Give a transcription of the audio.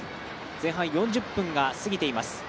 前半４０分が過ぎています。